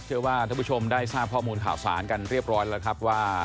เชื่อว่าท่านผู้ชมได้ทราบข้อมูลข่าวสารกันเรียบร้อยแล้วครับว่า